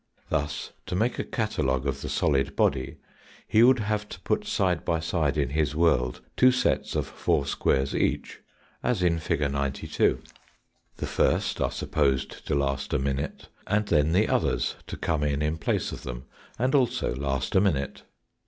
Thus, to make a catalogue of the solid body, he would have to put side by side in his world two sets of four squares eacli, as in fig. 92. The first 152 THE FOURTH DIMENSION are supposed to last a minute, and then the others to eome in in place of them, and also last a minute.